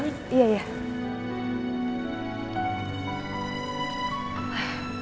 mika sini bantuin